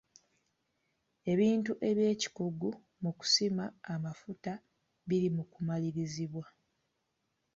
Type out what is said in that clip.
Ebintu eby'ekikugu mu kusima amafuta biri mu kumalirizibwa.